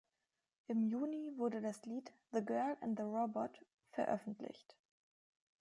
Im Juni wurde das Lied "The Girl And The Robot" veröffentlicht.